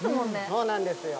そうなんですよ。